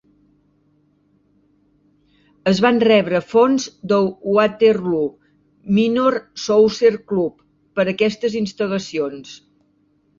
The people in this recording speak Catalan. Es van rebre fons del Waterloo Minor Soccer Club per aquestes instal·lacions.